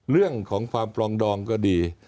เรื่องของความปลองดองก็ดี